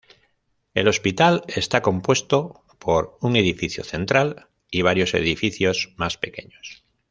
El hospital está compuesto por un edificio central y varios edificios más pequeños.